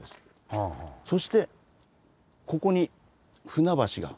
そしてここに船橋が。